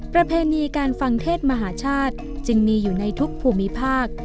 ประเพณีการฟังเทศมหาชาติจึงมีอยู่ในทุกภูมิภาค